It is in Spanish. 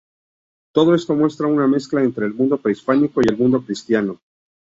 Todo esto muestra una mezcla entre el mundo prehispánico y el mundo cristiano.